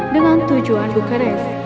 dengan tujuan bukeres